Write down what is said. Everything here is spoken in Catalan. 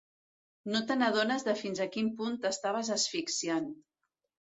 No t'adones de fins a quin punt t'estaves asfixiant.